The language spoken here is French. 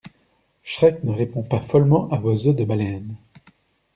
Shrek ne répond pas follement à vos os de baleine.